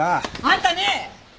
あんたねえ！